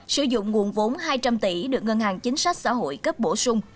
sử dụng nguồn vốn hai trăm linh tỷ được ngân hàng chính sách xã hội cấp bổ sung